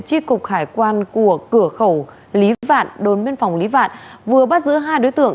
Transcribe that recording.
tri cục hải quan của cửa khẩu lý vạn đồn biên phòng lý vạn vừa bắt giữ hai đối tượng